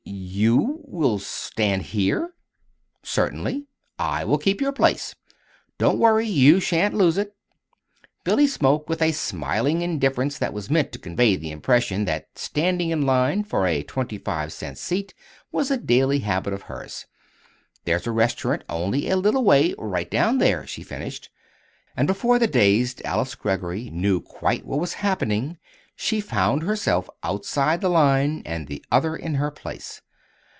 "You will stand here?" "Certainly; I will keep your place. Don't worry. You sha'n't lose it." Billy spoke with a smiling indifference that was meant to convey the impression that standing in line for a twenty five cent seat was a daily habit of hers. "There's a restaurant only a little way right down there," she finished. And before the dazed Alice Greggory knew quite what was happening she found herself outside the line, and the other in her place.